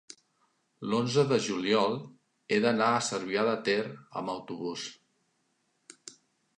l'onze de juliol he d'anar a Cervià de Ter amb autobús.